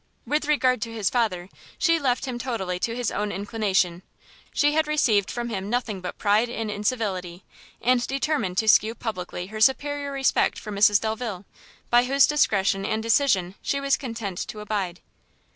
With regard to his father, she left him totally to his own inclination; she had received from him nothing but pride and incivility, and determined to skew publicly her superior respect for Mrs Delvile, by whose discretion and decision she was content to abide.